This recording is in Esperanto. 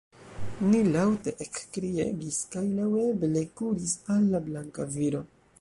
Ni laŭte ekkriegis, kaj laŭeble kuris al la blanka viro.